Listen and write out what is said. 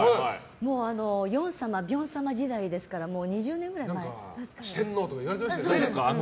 もうヨン様ビョン様時代ですから四天王とか言われてましたよね。